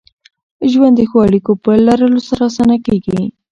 ژوند د ښو اړیکو په لرلو سره اسانه کېږي.